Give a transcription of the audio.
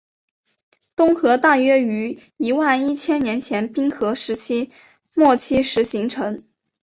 东河大约于一万一千年前冰河时期末期时形成。